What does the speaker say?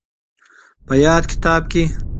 په ياد کتاب کې